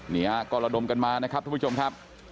นี่ฮะก็ระดมกันมานะครับทุกผู้ชมครับ